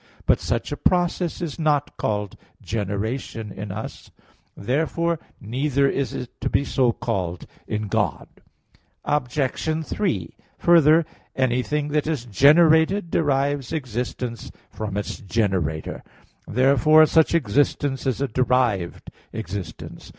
But such a process is not called generation in us; therefore neither is it to be so called in God. Obj. 3: Further, anything that is generated derives existence from its generator. Therefore such existence is a derived existence.